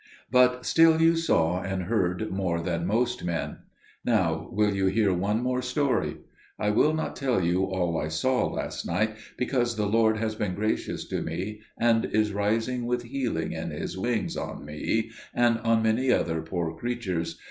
But still you saw and heard more than most men. Now will you hear one more story? I will not tell you all I saw last night, because the Lord has been gracious to me, and is rising with healing in His wings on me and on many other poor creatures.